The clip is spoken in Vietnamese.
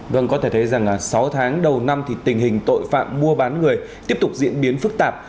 vâng có thể thấy rằng sáu tháng đầu năm thì tình hình tội phạm mua bán người tiếp tục diễn biến phức tạp